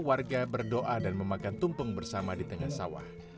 warga berdoa dan memakan tumpeng bersama di tengah sawah